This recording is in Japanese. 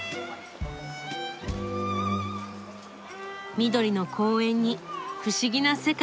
緑の公園に不思議な世界。